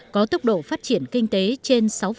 có tốc độ phát triển kinh tế trên sáu